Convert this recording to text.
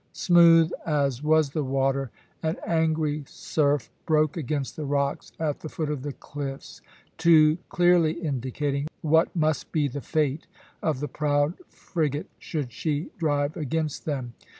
Smooth as was the water, an angry surf broke against the rocks at the foot of the cliffs, too clearly indicating what must be the fate of the proud frigate should she drive against them.